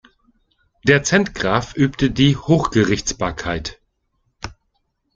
Der Zentgraf übte die Hochgerichtsbarkeit.